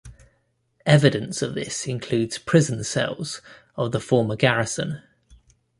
Evidence of this includes prison cells of the former Garrison.